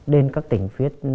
đến các tỉnh phía